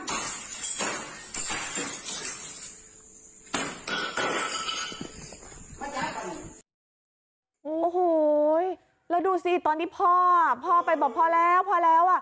โอ้โหแล้วดูสิตอนที่พ่อพ่อไปบอกพอแล้วพอแล้วอ่ะ